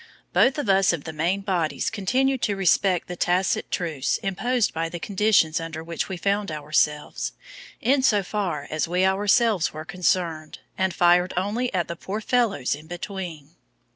Both of us of the main bodies continued to respect the tacit truce imposed by the conditions under which we found ourselves, insofar as we ourselves were concerned, and fired only at the poor fellows in between.